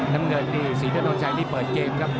น้ำเงินดีสิทธิ์ถนนชัยนี่เปิดเกมนะครับ